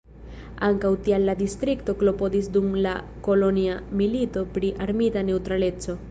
Ankaŭ tial la distrikto klopodis dum la Kolonja Milito pri armita neŭtraleco.